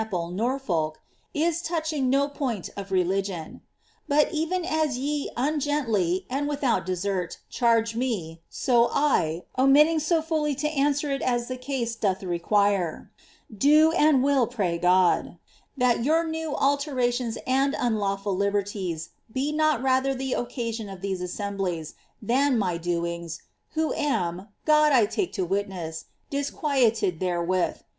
e. Norfolk) is touching no point of religion. But even as yo ungently, and without desert, chaise me, so I, omitting so fully to answer it as the case doth require, do and will pray God, that your new alterations and unlawful liberties tw not rather tlie occasion of these assemblies, tlian my doings, who am (God I take to wimess) disfjuieted therewith.